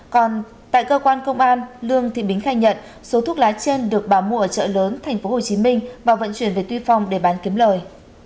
còn tại cơ quan công an lương thị bính khai nhận số thuốc lá trên được bà mua ở chợ lớn tp hcm và vận chuyển về tuy phong để bán kiếm lời